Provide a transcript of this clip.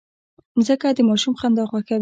مځکه د ماشوم خندا خوښوي.